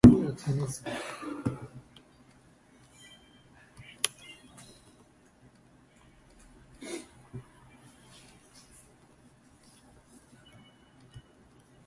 Hensley was born in Price, Utah.